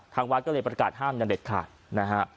ทางวัดก็เลยประกาศห้ามอย่างเด็ดขาดนะฮะ